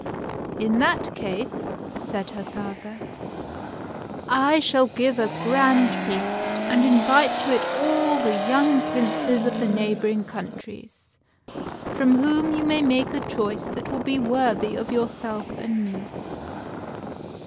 " In that case," said her father, " I shall give a grand feast, and invite to it all the young Princes of the neighboring countries, from whom you may make a choice that will be worthy of yourself and me."